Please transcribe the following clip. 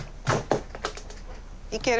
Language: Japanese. いける？